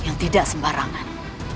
yang tidak sembarangan